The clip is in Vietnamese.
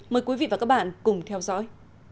mời quý vị và các bạn cùng theo dõi